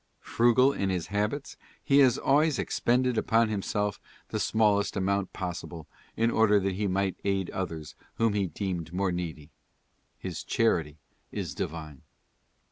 Frugal in his habits, he has always expended upon himself the smallest amount possible, in order that he might aid others whom he deemed more needy. His charity is divine.